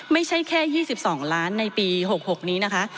ไม่ใช่แค่๒๒ล้านในปี๖๖นี้นะคะ